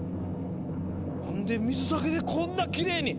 なんで水だけでこんなきれいに。